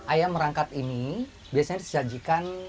ayam merangkat ini biasanya disajikan